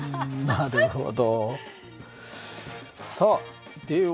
なるほど。